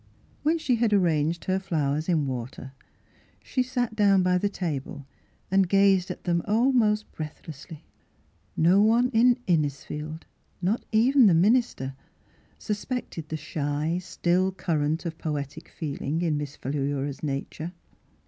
When she had arranged her flowers in water, she sat down by the table and gazed Miss Philura's Wedding Gown Sit them almost breathlessly. No one in^ Innisfield, not even the misister, suspected the shy, still current of poetic feeling in Miss Philura's nature.